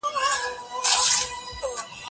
ايا ته پاکوالي ساتې